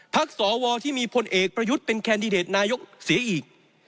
สวที่มีพลเอกประยุทธ์เป็นแคนดิเดตนายกเสียอีก